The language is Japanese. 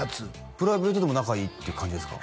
プライベートでも仲いいっていう感じですか？